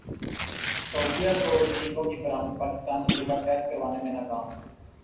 سعودیہ کو جھینگوں کی برامد پاکستان مطلوبہ ٹیسٹ کروانے میں ناکام